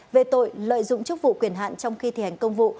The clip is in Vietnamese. về tội lợi dụng chức vụ quyền hạn trong khi thi hành công vụ